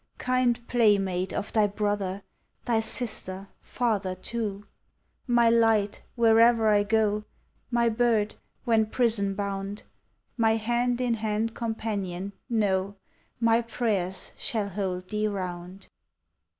Kind playmate of thy brother, Thy sister, father too ; My light, where'er I go; My bird, when prison bound ; My hand in hand companion — No, My prayers shall hold thee round.